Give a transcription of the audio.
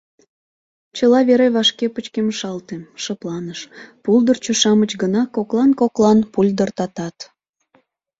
Чыла вере вашке пычкемышалте, шыпланыш, пулдырчо-шамыч гына коклан-коклан пульдыртатат.